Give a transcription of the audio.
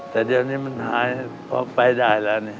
แต่เดี๋ยวนี้มันหายพอไปได้แล้ว